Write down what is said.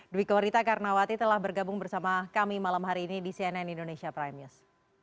dwi korita karnawati telah bergabung bersama kami malam hari ini di cnn indonesia prime news